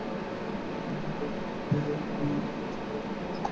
তিনি দেখতে পান, বিচারের আগেই একজন সাক্ষী তাঁর জবানবন্দি প্রত্যাহার করে নিয়েছেন।